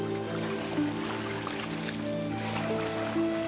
aku ingin bersuruh